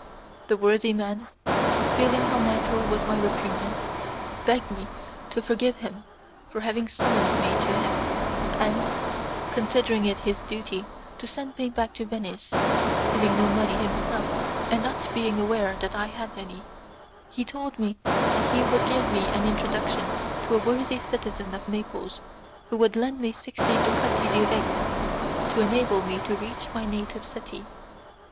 The worthy man, feeling how natural was my repugnance, begged me to forgive him for having summoned me to him, and, considering it his duty to send me back to Venice, having no money himself and not being aware that I had any, he told me that he would give me an introduction to a worthy citizen of Naples who would lend me sixty ducati di regno to enable me to reach my native city.